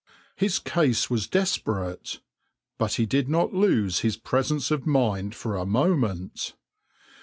His case was desperate, but he did not lose his presence of mind for a moment.